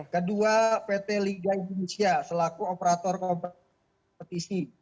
kedua pt liga indonesia selaku operator kompetisi